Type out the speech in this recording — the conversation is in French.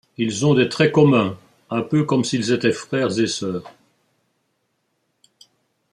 Ils ont des traits communs, un peu comme s'ils étaient frères et sœurs.